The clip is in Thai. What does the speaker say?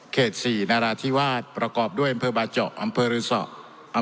เกถ๔นรฑที่วาสประกอบด้วยอำเภอบาเจาะอำเภอรูสอํ่ะ